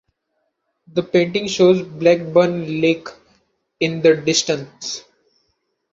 The painting shows Blackburn Lake in the distance.